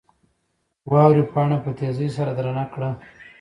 واورې پاڼه په تېزۍ سره درنه کړه.